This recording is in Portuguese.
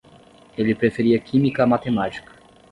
Ele preferia química a matemática